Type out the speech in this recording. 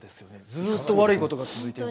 ずっと悪いことが続いてる。